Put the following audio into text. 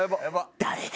誰だ？